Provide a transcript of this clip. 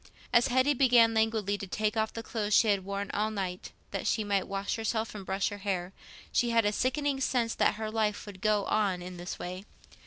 As Hetty began languidly to take off the clothes she had worn all the night, that she might wash herself and brush her hair, she had a sickening sense that her life would go on in this way.